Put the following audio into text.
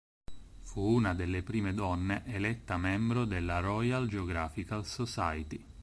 Fu una delle prime donne eletta membro della Royal Geographical Society.